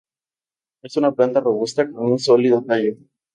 Es una planta robusta con un sólido tallo.